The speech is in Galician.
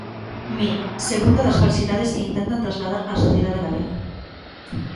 Mire, segunda das falsidades que intentan trasladar á sociedade galega.